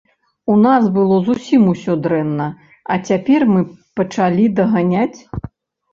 У нас было зусім усё дрэнна, а цяпер мы пачалі даганяць?